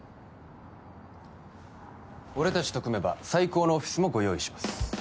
俺達と組めば最高のオフィスもご用意します